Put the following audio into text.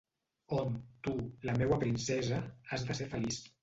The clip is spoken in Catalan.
On, tu, la meua princesa, has de ser feliç.